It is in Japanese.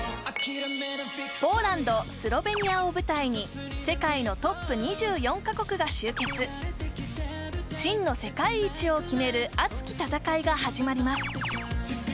ポーランドスロベニアを舞台に世界のトップ２４カ国が集結真の世界一を決める熱き戦いが始まります